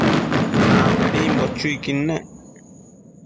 ambimbo chuiquid nec